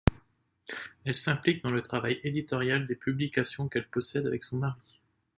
Elle s'implique dans le travail éditorial des publications qu'elle possède avec son mari.